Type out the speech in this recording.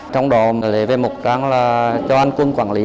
trong đó lấy về một trang là cho anh quân quản lý